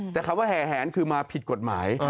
แต่คำว่าแห่แหนคือมาผิดกฎหมาย